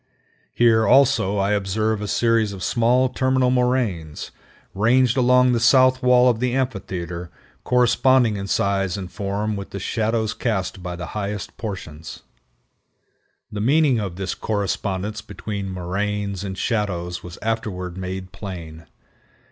Here, also, I observed a series of small terminal moraines ranged along the south wall of the amphitheater, corresponding in size and form with the shadows cast by the highest portions. The meaning of this correspondence between moraines and shadows was afterward made plain.